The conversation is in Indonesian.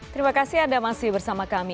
terima kasih anda masih bersama kami